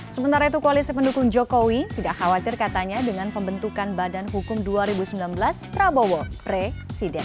sementara itu koalisi pendukung jokowi tidak khawatir katanya dengan pembentukan badan hukum dua ribu sembilan belas prabowo presiden